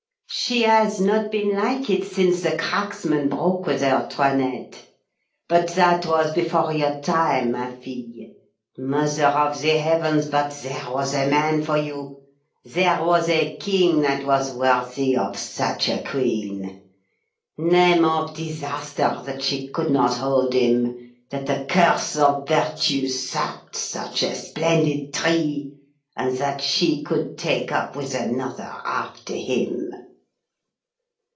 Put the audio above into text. "She has not been like it since the cracksman broke with her, Toinette. But that was before your time, ma fille. Mother of the heavens! but there was a man for you! There was a king that was worthy of such a queen. Name of disaster! that she could not hold him, that the curse of virtue sapped such a splendid tree, and that she could take up with another after him!"